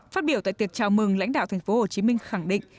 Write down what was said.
phát biểu tại tiệc chào mừng lãnh đạo thành phố hồ chí minh khẳng định